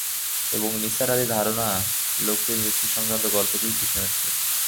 এবং নিসার আলির ধারণা, লোকটির মৃত্যুসংক্রান্ত গল্পটিও সে শুনেছে।